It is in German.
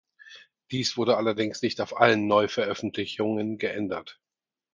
Dies wurde allerdings nicht auf allen Neuveröffentlichungen geändert.